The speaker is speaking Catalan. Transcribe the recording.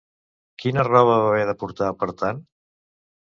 Quina roba va haver de portar, per tant?